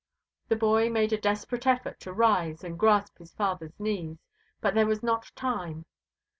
The boy made a desperate effort to rise and grasp his father's knees, but there was not time.